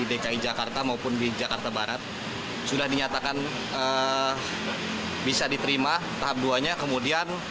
dki jakarta maupun di jakarta barat sudah dinyatakan bisa diterima tahap dua nya kemudian